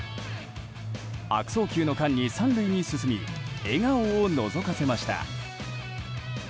悪送球の間に３塁に進み笑顔をのぞかせました。